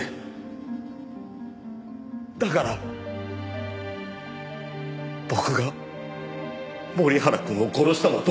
だから僕が森原くんを殺したも同然です。